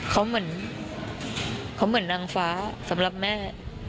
เขาเหมือนเขาเหมือนนางฟ้าสำหรับแม่